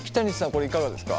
これいかがですか？